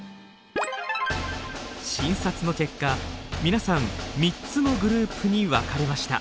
診察の結果皆さん３つのグループに分かれました。